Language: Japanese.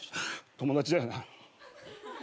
友達だよな？